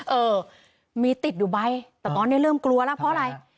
เออมีติดอยู่ใบแต่ตอนนี้เริ่มกลัวแล้วเพราะอะไร